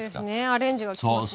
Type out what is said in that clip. アレンジがききますね。